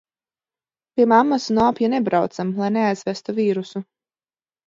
Pie mammas un opja nebraucam, lai neaizvestu vīrusu.